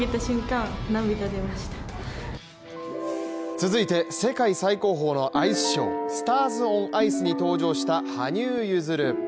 続いて世界最高峰のアイスショースターズオンアイスに登場した羽生結弦。